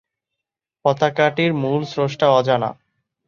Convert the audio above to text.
পতাকাটির মূল স্রষ্টা অজানা।